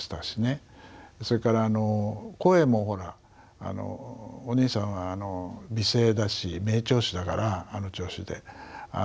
それから声もほらお兄さんは美声だし名調子だからあの調子で。